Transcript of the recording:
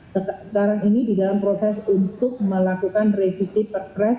sekarang ini di dalam proses untuk melakukan revisi perpres